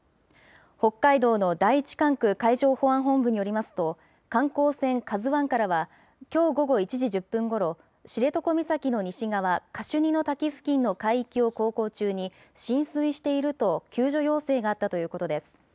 北海道の第１管区海上保安本部によりますと、観光船ＫＡＺＵわんからは、きょう午後１時１０分ごろ、知床岬の西側、カシュニの滝付近の海域を航行中に、浸水していると救助要請があったということです。